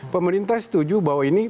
pemerintah setuju bahwa ini